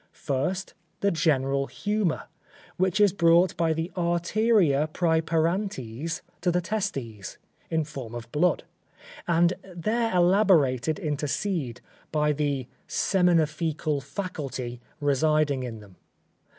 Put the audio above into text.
First, the general humour, which is brought by the arteria praeparantes to the testes, in form of blood, and there elaborated into seed, by the seminifical faculty residing in them.